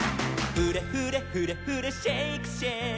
「フレフレフレフレシェイクシェイク」